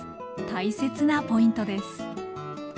大切なポイントです。